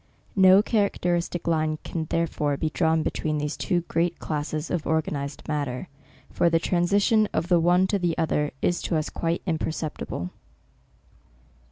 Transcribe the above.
No characteristic line can therefore be drawn between these two great classes of organized matter; for the transition of the one to the other, is to u« quite imperceptible.